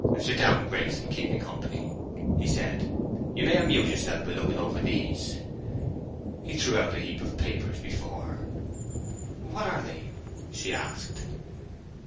"Sit down, Grace, and keep me company," he said. "You may amuse yourself by looking over these." He threw out a heap of papers before her. "What are they?" she asked.